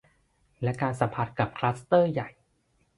และการสัมผัสกับคลัสเตอร์ใหญ่